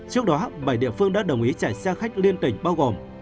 trước đó bảy địa phương đã đồng ý chạy xe khách liên tỉnh bao gồm